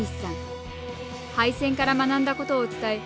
敗戦から学んだことを伝え